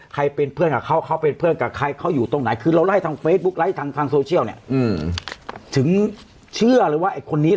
ใครเป็นเพื่อนกับเขาเขาเป็นเพื่อนกับใครเขาอยู่ตรงไหน